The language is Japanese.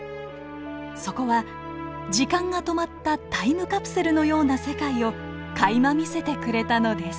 そこは時間が止まったタイムカプセルのような世界をかいま見せてくれたのです。